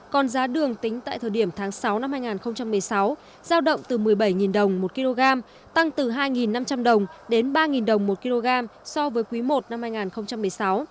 còn giá đường tính tại thời điểm tháng sáu năm hai nghìn một mươi sáu giao động từ một mươi bảy đồng một kg tăng từ hai năm trăm linh đồng đến ba đồng một kg so với quý i năm hai nghìn một mươi sáu